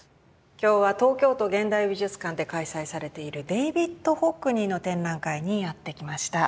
今日は東京都現代美術館で開催されているデイヴィッド・ホックニーの展覧会にやって来ました。